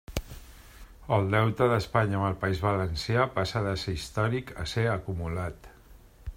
El deute d'Espanya amb el País Valencià passa de ser històric a ser acumulat.